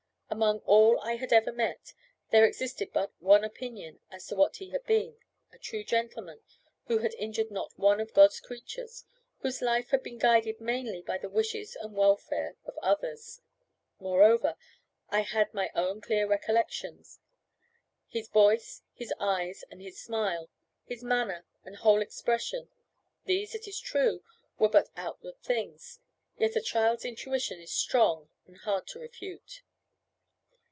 Among all I had ever met, there existed but one opinion as to what he had been a true gentleman, who had injured not one of God's creatures, whose life had been guided mainly by the wishes and welfare of others. Moreover, I had my own clear recollections his voice, his eyes, and his smile, his manner and whole expression; these, it is true, were but outward things, yet a child's intuition is strong and hard to refute.